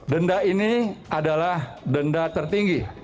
denda ini adalah denda tertinggi